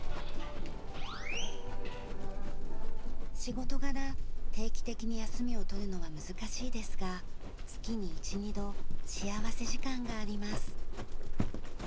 仕事柄定期的に休みを取るのは難しいですが月に１２度幸福時間があります。